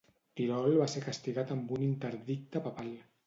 Tirol va ser castigat amb un interdicte papal.